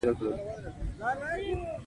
مچان په بدن پکېږي